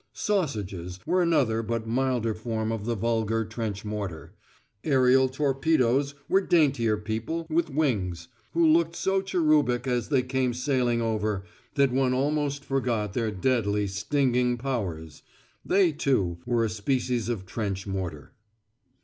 "Sausages" were another but milder form of the vulgar trench mortar; aerial torpedoes were daintier people with wings, who looked so cherubic as they came sailing over, that one almost forgot their deadly stinging powers; they, too, were a species of trench mortar.